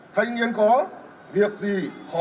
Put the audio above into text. thanh niên có việc gì khó